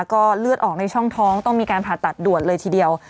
ก็เลือดออกในช่องท้องต้องมีการผ่าตัดด่วนเลยทีเดียว